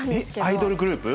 アイドルグループ？